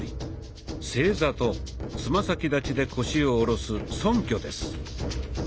「正座」とつま先立ちで腰を下ろす「そんきょ」です。